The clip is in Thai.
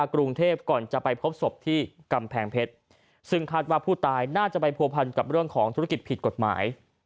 กรุงเทพก่อนจะไปพบศพที่กำแพงเพชรซึ่งคาดว่าผู้ตายน่าจะไปผัวพันกับเรื่องของธุรกิจผิดกฎหมาย